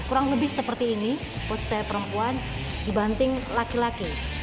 kurang lebih seperti ini posisi perempuan dibanting laki laki